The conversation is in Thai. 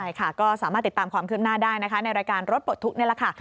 ใช่ค่ะก็สามารถติดตามความคืบหน้าได้นะคะในรายการรถปลดทุกข์นี่แหละค่ะ